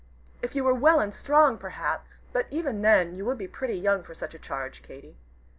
If you were well and strong, perhaps but even then you would be pretty young for such a charge, Katy."